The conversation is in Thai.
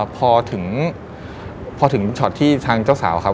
พอถึงชอดที่ทางเจ้าสาวครับ